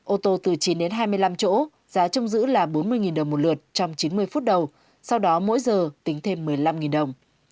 ô tô từ chín đến hai mươi năm chỗ giá trong giữ là bốn mươi đồng một lượt trong chín mươi phút đầu sau đó mỗi giờ tính thêm một mươi năm đồng